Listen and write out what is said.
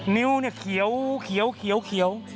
นิ้วเขียว